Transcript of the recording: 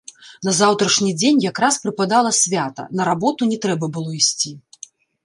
На заўтрашні дзень якраз прыпадала свята, на работу не трэба было ісці.